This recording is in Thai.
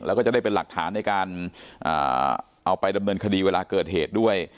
แล้วก็จะได้เป็นหลักฐานในการเอาไปดำเนินคดีเวลาเกิดเหตุด้วย